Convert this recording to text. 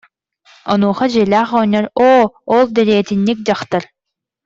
Онуоха дьиэлээх оҕонньор: «Оо, ол дэриэтинньик дьахтар